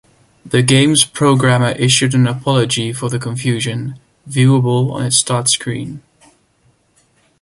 The game's programmer issued an apology for the confusion, viewable on its start screen.